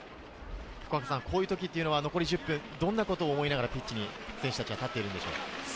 こういう時というのは残り１０分、どんなことを思いながらピッチに選手たちは立っているんでしょう？